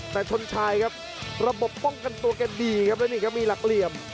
แต่ชนชายครับระบบป้องกันตัวแกดีครับแล้วนี่ครับมีหลักเหลี่ยม